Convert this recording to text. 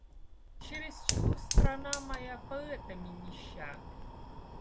Чересчур страна моя поэтами нища.